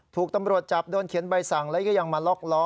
ถูกตำรวจจับโดนเขียนใบสั่งแล้วก็ยังมาล็อกล้อ